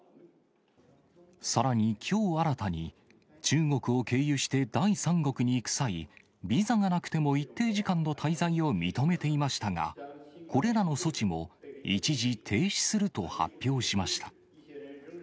さらに、きょう新たに、中国を経由して第三国に行く際、ビザがなくても一定時間の滞在を認めていましたが、これらの措置も一時停止すると発表しました。